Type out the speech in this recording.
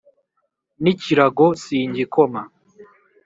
n'ikirago singikoma